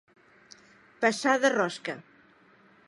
Passar de rosca.